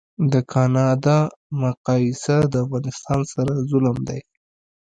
د کانادا مقایسه د افغانستان سره ظلم دی